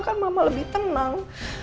kan mama lebih tenang